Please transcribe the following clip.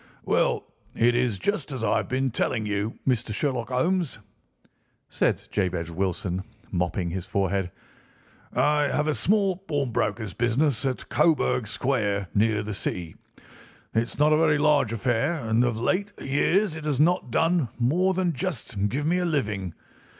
"Well, it is just as I have been telling you, Mr. Sherlock Holmes," said Jabez Wilson, mopping his forehead; "I have a small pawnbroker's business at Coburg Square, near the City. It's not a very large affair, and of late years it has not done more than just give me a living.